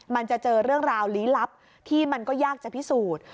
มันจะเจอเรื่องราวลี้ลับที่มันก็ยากจะพิสูจน์